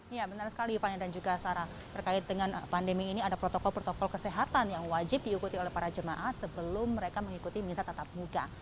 ya benar sekali ipani dan juga sarah terkait dengan pandemi ini ada protokol protokol kesehatan yang wajib diikuti oleh para jemaat sebelum mereka mengikuti misal tatap muka